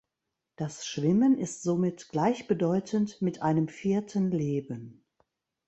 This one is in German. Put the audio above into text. Das Schwimmen ist somit gleichbedeutend mit einem vierten Leben.